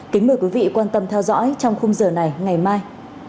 kính mời quý vị quan tâm theo dõi trong khung giờ này ngày mai